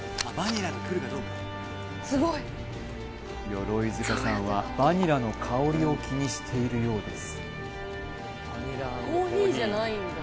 鎧塚さんはバニラの香りを気にしているようです